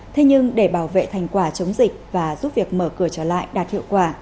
thế nhưng để bảo vệ thành quả chống dịch và giúp việc mở cửa trở lại đạt hiệu quả